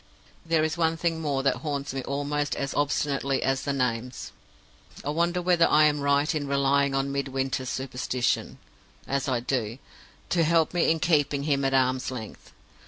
"There is one thing more that haunts me almost as obstinately as the Names. "I wonder whether I am right in relying on Midwinter's superstition (as I do) to help me in keeping him at arms length.